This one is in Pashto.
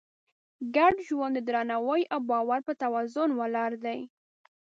ګډ ژوند د درناوي او باور په توازن ولاړ دی.